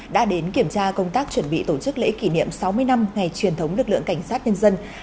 đã đến kiểm tra công tác chuẩn bị tổ chức lễ kỷ niệm sáu mươi năm ngày truyền thống lực lượng cảnh sát nhân dân